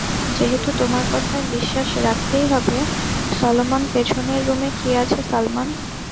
যেহেতু তোমার কথায় বিশ্বাস রাখতেই হবে সলোমন, পেছনের রুমে কি আছে, সলোমন?